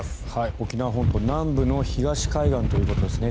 沖縄本島南部の東海岸ということですね。